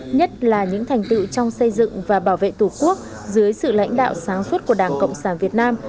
nhất là những thành tựu trong xây dựng và bảo vệ tổ quốc dưới sự lãnh đạo sáng suốt của đảng cộng sản việt nam